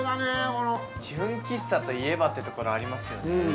この純喫茶といえばってところありますよね